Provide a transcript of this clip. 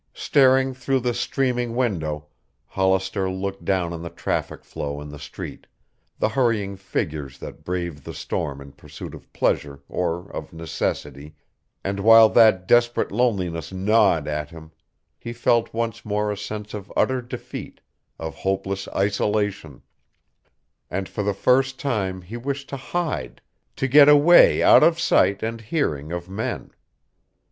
Staring through the streaming window, Hollister looked down on the traffic flow in the street, the hurrying figures that braved the storm in pursuit of pleasure or of necessity, and while that desperate loneliness gnawed at him, he felt once more a sense of utter defeat, of hopeless isolation and for the first time he wished to hide, to get away out of sight and hearing of men.